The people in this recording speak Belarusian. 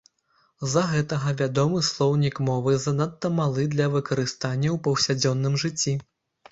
З-за гэтага вядомы слоўнік мовы занадта малы для выкарыстання ў паўсядзённым жыцці.